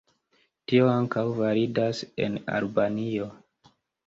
Tio ankaŭ validas en Albanio.